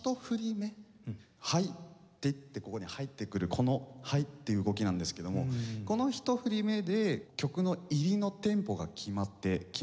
「はい」っていってここに入ってくるこの「はい」っていう動きなんですけどもこの一振り目で曲の入りのテンポが決まってきます。